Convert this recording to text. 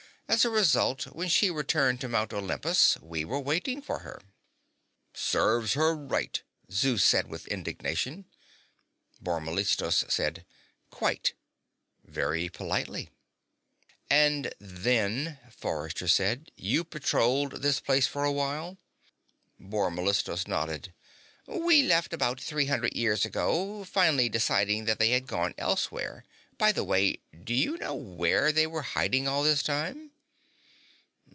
As a result, when she returned to Mount Olympus, we were waiting for her." "Serves her right!" Zeus said with indignation. Bor Mellistos said: "Quite," very politely. "And then," Forrester said, "you patrolled this place for a while." Bor Mellistos nodded. "We left about three hundred years ago, finally deciding that they had gone elsewhere. By the way, do you know where they were hiding all this time?"